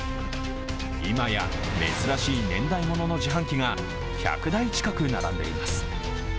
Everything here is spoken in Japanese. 今や珍しい年代物の自販機が１００台近く並んでいます。